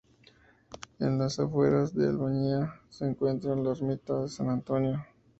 En las afueras de Albiñana se encuentra la Ermita de San Antonio.